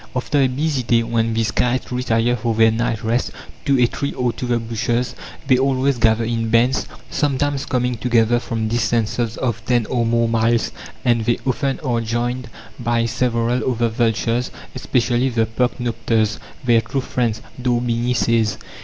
After a busy day, when these kites retire for their night rest to a tree or to the bushes, they always gather in bands, sometimes coming together from distances of ten or more miles, and they often are joined by several other vultures, especially the percnopters, "their true friends," D'Orbigny says.